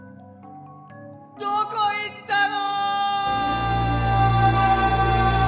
どこいったの！？